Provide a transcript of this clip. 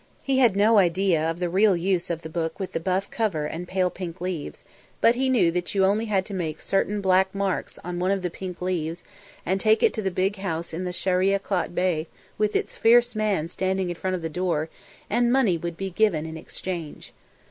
He had no idea of the real use of the book with the buff cover and pale pink leaves, but he knew that you had only to make certain black marks on one of the pink leaves and take it to the big house in the Sharia Clot Bey with its fierce man standing in front of the door and money would be given in exchange.